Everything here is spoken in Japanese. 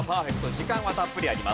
時間はたっぷりあります。